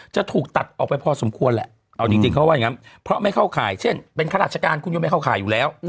จะถูกตัดออกไปพอสมควรแหละเอาจริงเขาว่าอย่างนั้นเพราะไม่เข้าข่ายเช่นเป็นข้าราชการคุณก็ไม่เข้าข่ายอยู่แล้ว